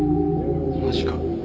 マジか。